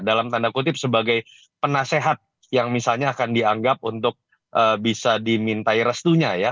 dalam tanda kutip sebagai penasehat yang misalnya akan dianggap untuk bisa dimintai restunya ya